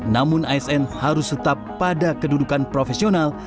namun asn harus tetap pada kedudukan profesional